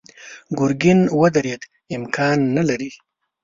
ګرګين ودرېد: امکان نه لري.